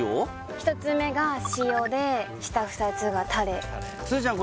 １つ目が塩で下２つがタレすずちゃん